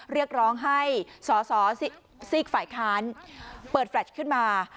เรียกร้องให้สอสอซีกฝ่ายค้านเปิดแฟลชขึ้นมา